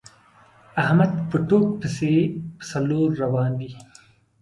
احمد په ټوک پسې په څلور روان وي.